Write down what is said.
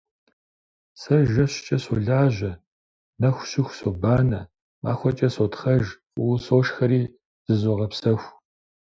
Сэ жэщкӀэ солажьэ, нэху щыху собанэ, махуэкӀэ сотхъэж, фӀыуэ сошхэри зызогъэпсэху.